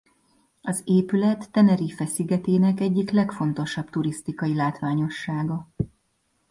Az épület Tenerife szigetének egyik legfontosabb turisztikai látványossága.